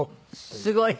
すごい。